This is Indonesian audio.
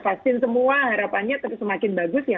vaksin semua harapannya semakin bagus ya